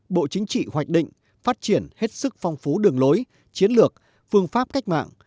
bộ chính trị hoạch định phát triển hết sức phong phú đường lối chiến lược phương pháp cách mạng